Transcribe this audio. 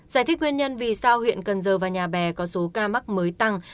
giải thích nguyên nhân vì sao huyện cần giờ và nhà bè có số ca mắc mới tăng